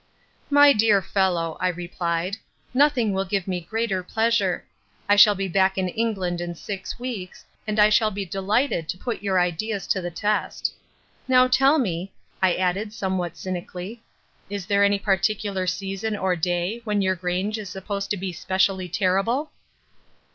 "My dear fellow," I replied, "nothing will give me greater pleasure. I shall be back in England in six weeks, and I shall be delighted to put your ideas to the test. Now tell me," I added somewhat cynically, "is there any particular season or day when your Grange is supposed to be specially terrible?"